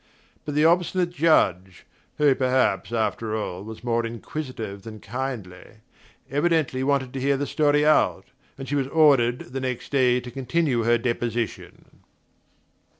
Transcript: But the obstinate Judge who perhaps, after all, was more inquisitive than kindly evidently wanted to hear the story out, and she was ordered, the next day, to continue her deposition.